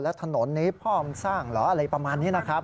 แล้วถนนนี้พ่อมึงสร้างเหรออะไรประมาณนี้นะครับ